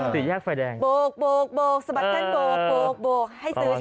สี่แยกไฟแดงบกสะบัดตั้งบกให้ซื้อใช่ไหม